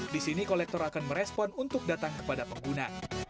di sini kolektor akan merespon untuk datang kepada pengguna